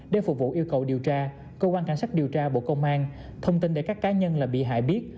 để phục vụ yêu cầu điều tra cơ quan cảnh sát điều tra bộ công an thông tin để các cá nhân là bị hại biết